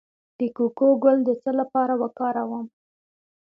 د کوکو ګل د څه لپاره وکاروم؟